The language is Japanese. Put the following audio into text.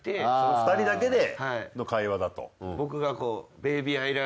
２人だけでの会話だと。